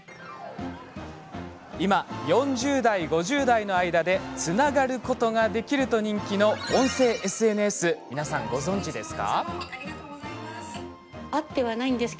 今、４０代、５０代の間でつながれると大人気の音声ＳＮＳって、ご存じですか？